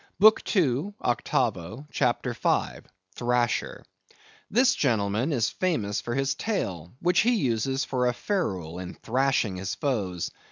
BOOK II. (Octavo), CHAPTER V. (Thrasher).—This gentleman is famous for his tail, which he uses for a ferule in thrashing his foes.